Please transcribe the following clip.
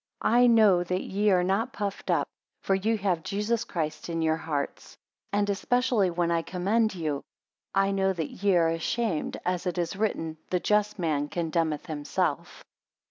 2 I know that ye are not puffed up; for ye have Jesus Christ in your hearts. 3 And especially when I commend you, I know that ye are ashamed, as it is written, The just man condemneth himself.